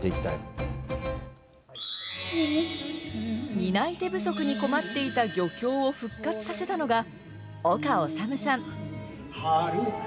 担い手不足に困っていた漁協を復活させたのがおかおさむさん。